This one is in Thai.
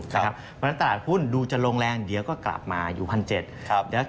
เพราะฉะนั้นตลาดหุ้นดูจะลงแรงเดี๋ยวก็กลับมาอยู่๑๗๐๐บาท